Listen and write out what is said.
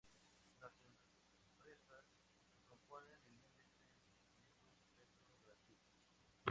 Las empresas que componen el índice y sus pesos relativos se revisan trimestralmente.